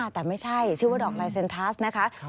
แต่ไม่ใช่ชื่อว่าดอกลายเซ็นทัสนะคะ